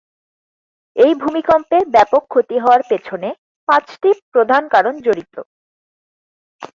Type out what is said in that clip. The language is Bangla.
এই ভূমিকম্পে ব্যাপক ক্ষতি হওয়ার পেছনে পাঁচটি প্রধান কারণ জড়িত।